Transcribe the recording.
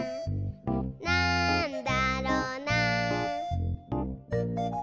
「なんだろな？」